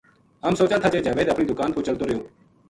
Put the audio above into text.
ہم سوچاں تھا جے جاوید اپنی دُکا ن پو چلتو رہیو۔